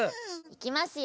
いきますよ。